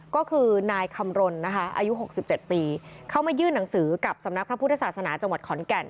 ก็คือนายคำรณนะคะอายุ๖๗ปีเข้ามายื่นหนังสือกับสำนักพระพุทธศาสนาจังหวัดขอนแก่น